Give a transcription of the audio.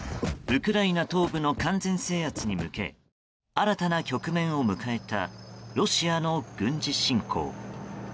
ウクライナ東部の完全制圧に向け新たな局面を迎えたロシアの軍事侵攻。